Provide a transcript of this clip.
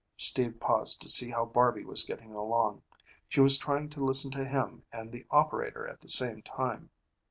Steve paused to see how Barby was getting along. She was trying to listen to him and the operator at the same time.